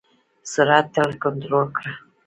سرعت تل کنټرول کړه.